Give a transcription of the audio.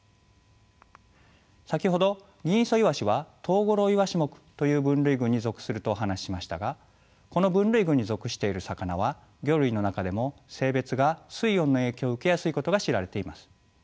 先ほどギンイソイワシはトウゴロウイワシ目という分類群に属するとお話ししましたがこの分類群に属している魚は魚類の中でも性別が水温の影響を受けやすいことが知られています。